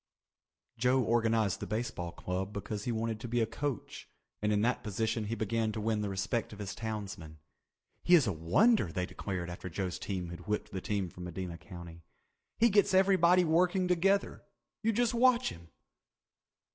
Joe organized the baseball club because he wanted to be a coach and in that position he began to win the respect of his townsmen. "He is a wonder," they declared after Joe's team had whipped the team from Medina County. "He gets everybody working together. You just watch him."